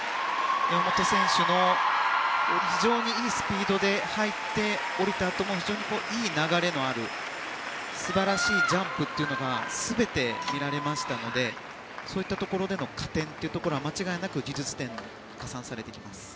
山本選手の非常にいいスピードで入って降りたあとも非常にいい流れのある素晴らしいジャンプというのが全て見られましたのでそういったところでの加点というのは間違いなく技術点で加算されてきます。